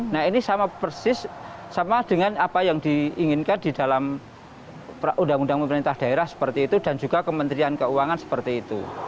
nah ini sama persis sama dengan apa yang diinginkan di dalam undang undang pemerintah daerah seperti itu dan juga kementerian keuangan seperti itu